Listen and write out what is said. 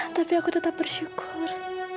tapi aku tetap bersyukur